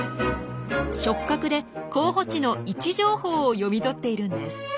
触角で候補地の位置情報を読み取っているんです。